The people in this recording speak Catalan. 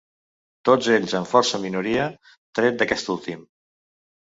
Tots ells amb força minoria, tret d’aquest últim.